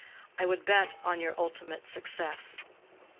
I would bet on your ultimate success.